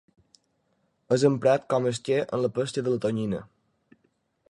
És emprat com a esquer en la pesca de la tonyina.